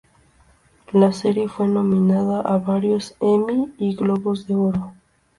La serie fue nominada a varios Emmy y Globos de Oro.